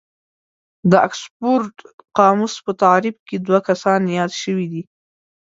د اکسفورډ قاموس په تعريف کې دوه کسان ياد شوي دي.